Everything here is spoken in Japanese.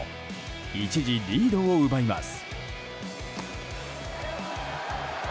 一時、リードを奪います。